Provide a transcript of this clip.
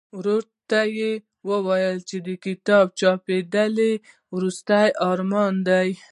ورور ته یې ویل چې د کتاب چاپ لیدل یې وروستنی ارمان دی.